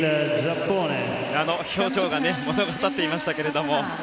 あの表情が物語っていましたが。